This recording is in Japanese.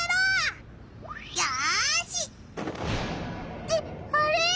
ってあれ？